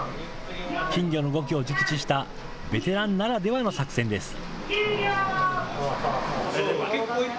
金魚の動きを熟知したベテランならではの作戦です。